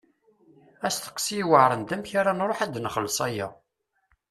Asteqsi i yuɛṛen d amek ara nṛuḥ ad nxelleṣ aya.